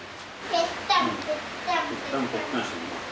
ぺったんぺったんしてみ。